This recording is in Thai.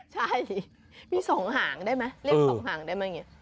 ใช่มี๒หางได้ไหมเรียก๒หางได้ไหม